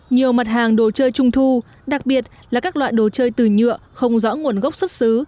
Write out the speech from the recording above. nhiều mặt hàng đồ chơi trung thu đặc biệt là các loại đồ chơi từ nhựa không rõ nguồn gốc xuất xứ